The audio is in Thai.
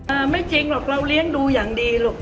ไม่จริงหรอกเราเลี้ยงดูอย่างดีลูก